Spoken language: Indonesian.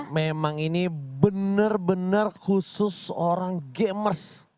memang ini benar benar khusus orang gamers